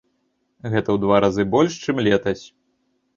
Гэта ў два разы больш, чым летась.